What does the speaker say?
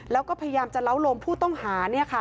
แล้วก็พยายามจะเล้าลมผู้ต้องหา